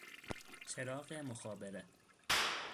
چراغ مخابره